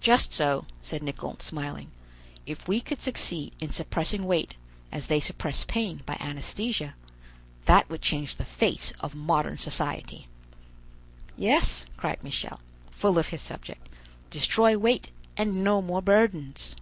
"Just so," said Nicholl, smiling; "if we could succeed in suppressing weight as they suppress pain by anaesthesia, that would change the face of modern society!" "Yes," cried Michel, full of his subject, "destroy weight, and no more burdens!"